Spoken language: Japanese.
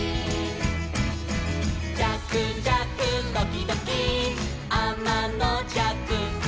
「じゃくじゃくドキドキあまのじゃく」